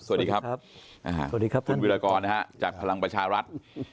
สวัสดีครับคุณวิรากรนะครับจากพลังประชารัฐ